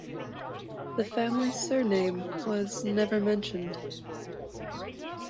The family's surname was never mentioned.